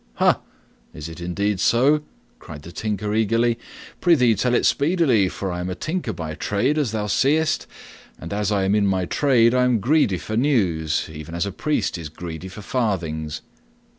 "Ha! Is it indeed so?" cried the Tinker eagerly. "Prythee tell it speedily, for I am a tinker by trade, as thou seest, and as I am in my trade I am greedy for news, even as a priest is greedy for farthings."